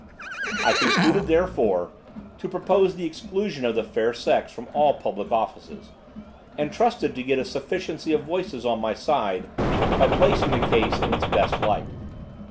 I concluded, therefore, to propose the exclusion of the fair sex from all public offices, and trusted to get a sufficiency of voices on my side by placing the case in its best light.